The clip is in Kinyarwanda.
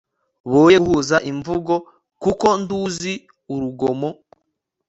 boye guhuza imvugo; kuko nduzi urugomo